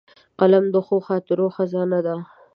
قلم د ښو خاطرو خزانه ده